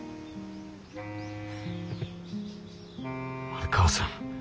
丸川さん。